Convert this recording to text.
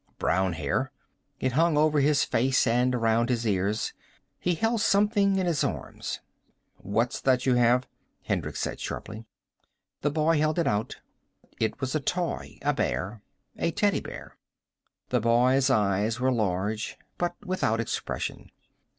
Brown hair. It hung over his face and around his ears. He held something in his arms. "What's that you have?" Hendricks said sharply. The boy held it out. It was a toy, a bear. A teddy bear. The boy's eyes were large, but without expression.